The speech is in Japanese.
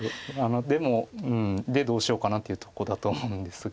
でもうんでどうしようかなっていうとこだとは思うんですが。